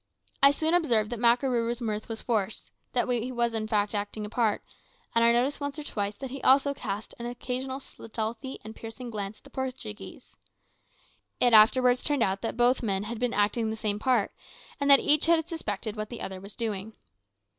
I soon observed that Makarooroo's mirth was forced, that he was in fact acting a part, and I noticed once or twice that he also cast an occasional stealthy and piercing glance at the Portuguese. It afterwards turned out that both men had been acting the same part, and that each had suspected what the other was doing.